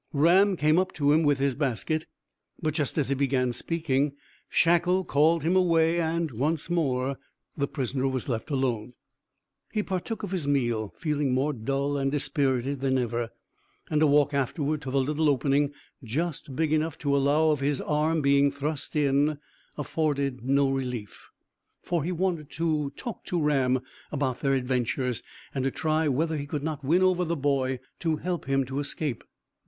Ram came up to him with his basket, but, just as he began speaking, Shackle called him away, and once more the prisoner was left alone. He partook of his meal, feeling more dull and dispirited than ever, and a walk afterwards to the little opening, just big enough to allow of his arm being thrust in, afforded no relief. For he wanted, to talk to Ram about their adventures, and to try whether he could not win over the boy to help him to escape.